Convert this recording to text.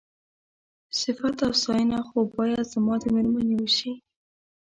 صيفت او ستاينه خو بايد زما د مېرمنې وشي.